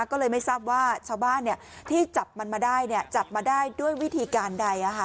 ก็เลยไม่ทราบว่าชาวบ้านที่จับมันมาได้จับมาได้ด้วยวิธีการใด